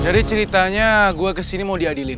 jadi ceritanya gue kesini mau diadilin